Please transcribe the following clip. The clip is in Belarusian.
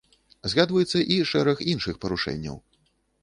Згадваецца і шэраг іншых парушэнняў.